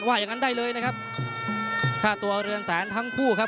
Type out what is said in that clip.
อย่างงั้นได้เลยนะครับค่าตัวเรือนแสนทั้งคู่ครับ